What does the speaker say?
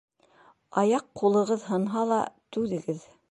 Аяҡ-ҡулығыҙ һынһа ла түҙегеҙ.